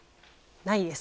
ないです。